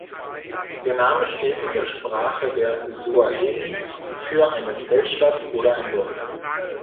Der Name steht in der Sprache der Suaheli für eine Zeltstadt oder ein Dorf.